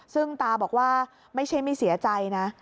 ซึ่งตาบอกว่าไม่ใช่ไม่เสียใจนะ